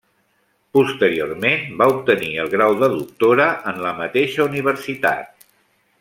Posteriorment va obtenir el grau de doctora en la mateixa universitat.